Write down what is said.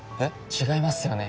違いますよね？